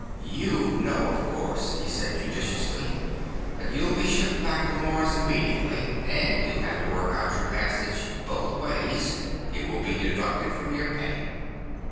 "You know, of course," he said judiciously, "that you'll be shipped back to Mars immediately. And you'll have to work out your passage both ways—it will be deducted from your pay."